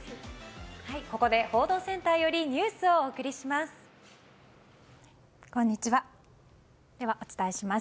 ここで報道センターからニュースをお伝えします。